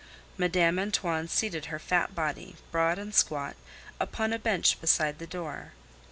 Madame Antoine seated her fat body, broad and squat, upon a bench beside the door.